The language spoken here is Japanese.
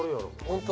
ホント？